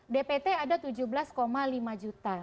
dpt ada tujuh belas lima juta